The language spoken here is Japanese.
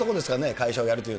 会社をやるという